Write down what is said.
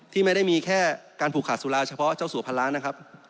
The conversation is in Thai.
ที่ไม่ได้มีแค่การผูกขาดสุราเฉพาะเจ้าสัวพันล้านนะครับ